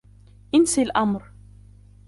انسِي الأمر.